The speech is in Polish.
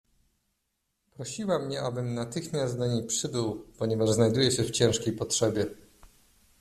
"Prosiła mnie, abym natychmiast do niej przybył, ponieważ znajduje się w ciężkiej potrzebie."